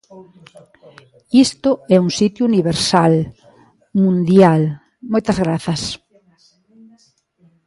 Isto é un sitio universal, mundial, moitas grazas.